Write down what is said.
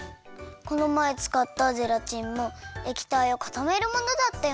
このまえつかったゼラチンもえきたいをかためるものだったよね？